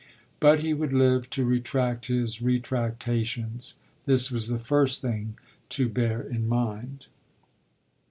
But he would live to retract his retractations this was the first thing to bear in mind.